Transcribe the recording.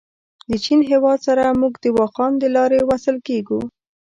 د چین هېواد سره موږ د واخان دلاري وصل کېږو.